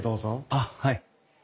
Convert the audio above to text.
あっはい。